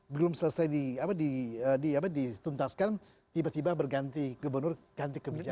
belum selesai di apa di apa di tuntaskan tiba tiba berganti gubernur ganti kebijakan